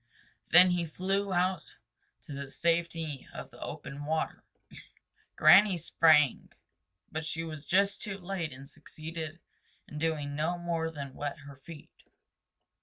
Then he flew out to the safety of the open water. Granny sprang, but she was just too late and succeeded in doing no more than wet her feet.